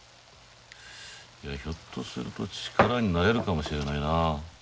いやひょっとすると力になれるかもしれないな。